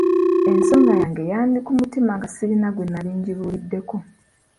Ensonga yange yandi ku mutima nga sirina gwe nali ngibuuliddeko.